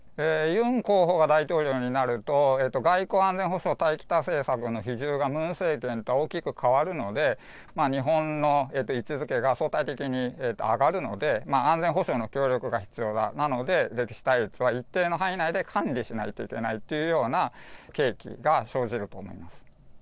ユン候補が大統領になると、外交、安全保障、対北政策の比重がムン政権とは大きく変わるので、日本の位置づけが相対的に上がるので、安全保障の協力が必要なので、歴史的対立は一定の範囲内で管理しないといけないというような契機が生じると思います。